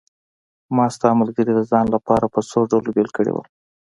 ما ستا ملګري د ځان لپاره په څو ډلو بېل کړي وو.